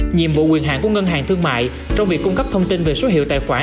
nhiệm vụ quyền hạn của ngân hàng thương mại trong việc cung cấp thông tin về số hiệu tài khoản